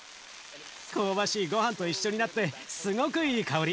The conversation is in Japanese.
香ばしいごはんと一緒になってすごくいい香り。